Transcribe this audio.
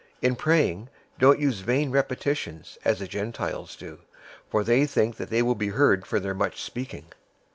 006:007 In praying, don't use vain repetitions, as the Gentiles do; for they think that they will be heard for their much speaking.